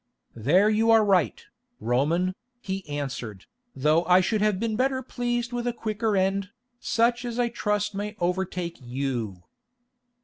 "There you are right, Roman," he answered, "though I should have been better pleased with a quicker end, such as I trust may overtake you."